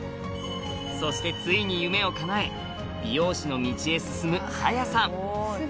そしてついに夢を叶え美容師の道へ進む紗弥さん